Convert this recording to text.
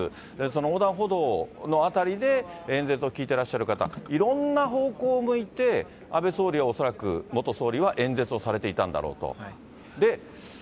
その横断歩道の辺りで演説を聞いてらっしゃる方、いろんな方向を向いて、安倍総理は恐らく、元総理は演説をされていたんだろうと。